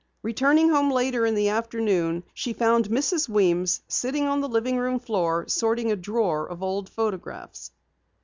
Returning home later in the afternoon, she found Mrs. Weems sitting on the living room floor, sorting a drawer of old photographs.